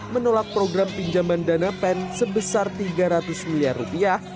menolak program pinjaman dana pen sebesar tiga ratus miliar rupiah